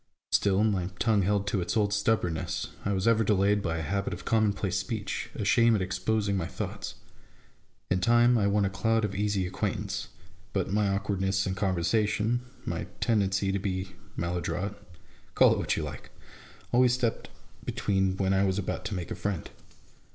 Still, my tongue held to its old stubbornness : I was ever delayed by a habit of commonplace speech, a shame at exposing my thoughts. In time I won a cloud of easy acquaintance ; but my awkwardness in conversa tion, my tendency to be maladroit, — call it what you like ! always stepped between when I was about to make a friend.